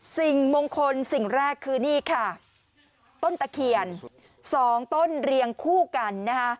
สิ่งมงคลสิ่งแรกคือนี่ค่ะต้นตะเคียนสองต้นเรียงคู่กันนะคะ